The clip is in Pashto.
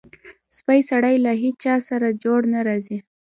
سپی سړی له هېچاسره جوړ نه راځي.